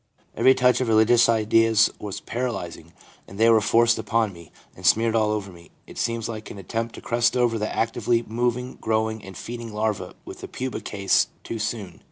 Every touch of religious ideas was paralysing, and as they were forced upon me and smeared all over me, it seems like an attempt to crust over the actively moving, growing and feeding larva with the pupa case too soon.